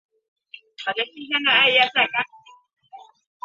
参与华盛顿游行的人数至少为现场参与前一天就职典礼的人数三倍。